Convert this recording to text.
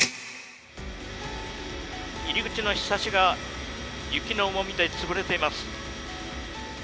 入り口のひさしが雪の重みで潰れています。